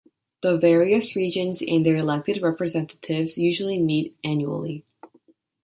The various regions and their elected representatives usually meet annually.